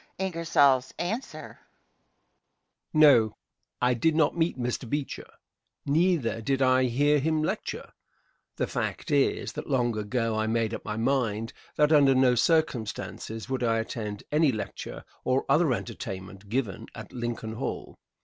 Answer. No, I did not meet Mr. Beecher. Neither did I hear him lecture. The fact is, that long ago I made up my mind that under no circumstances would I attend any lecture or other entertainment given at Lincoln Hall.